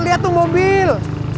liat tuh mobil